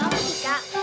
nah kamu nih kak